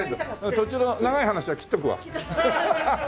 途中の長い話は切っとくわ。